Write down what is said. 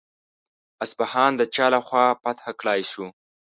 اصفهان د چا له خوا فتح کړای شو؟